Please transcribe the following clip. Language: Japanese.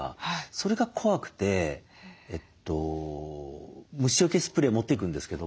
それが怖くて虫よけスプレーを持っていくんですけども裏を見て説明を。